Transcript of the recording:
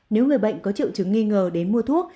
nếu người bệnh có triệu chứng nghi ngờ đến mua thuốc